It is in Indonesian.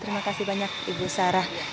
terima kasih banyak ibu sarah